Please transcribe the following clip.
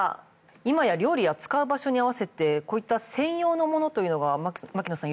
今や料理や使う場所に合わせてこういった専用のものというのが牧野さん